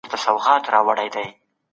دایمي وده بې له نوښت نه کیږي.